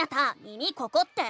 「耳ここ⁉」って。